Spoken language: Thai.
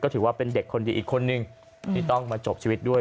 ถือว่าเป็นเด็กคนดีอีกคนนึงที่ต้องมาจบชีวิตด้วย